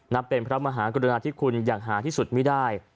นับเป็นพระมหากุฎณาที่คุณอย่างหาที่สุดมิดาย